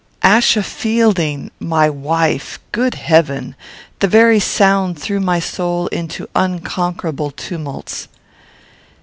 Achsa Fielding my wife! Good Heaven! The very sound threw my soul into unconquerable tumults.